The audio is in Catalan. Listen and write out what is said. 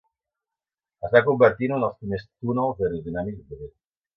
Es va convertir en un dels primers túnels aerodinàmics de vent.